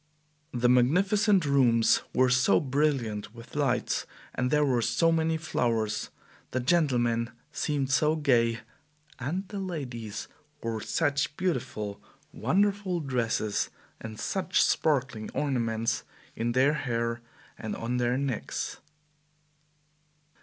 The magnificent rooms were so brilliant with lights, there were so many flowers, the gentlemen seemed so gay, and the ladies wore such beautiful, wonderful dresses, and such sparkling ornaments in their hair and on their necks.